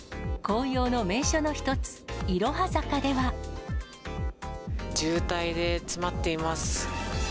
紅葉の名所の一つ、いろは坂渋滞で詰まっています。